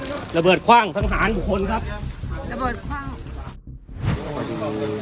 ระเบิดขว้างทรังสารของคนครับระเบิดขว้าง